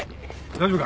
大丈夫か？